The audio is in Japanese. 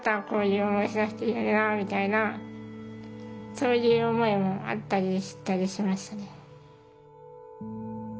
そういう思いもあったりしたりしましたね。